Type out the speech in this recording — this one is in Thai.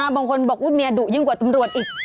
บางคนบอกว่าเมียดุยิ่งกว่าตำรวจอีก